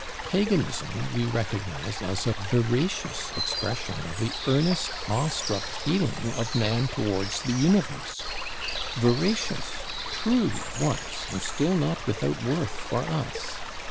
Paganism we recognize as a veracious expression of the earnest awe struck feeling of man towards the Universe; veracious, true once, and still not without worth for us.